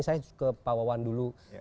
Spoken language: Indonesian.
saya ke pak wawan dulu